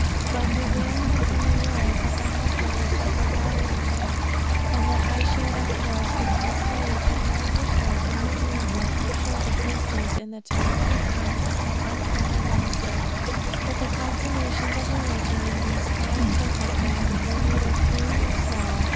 My prevailing opinion was, that my husband would suffer violent death; and that I should of course become a slave, and languish out a miserable though short existence, in the tyrannic hands of some unfeeling monster. But the consolations of religion in these trying circumstances, were neither few nor small.